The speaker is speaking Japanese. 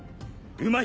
うまい！